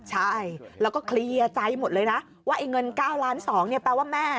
ใช่แล้วก็เคลียร์ใจหมดเลยนะว่าไอ้เงิน๙ล้าน๒เนี่ยแปลว่าแม่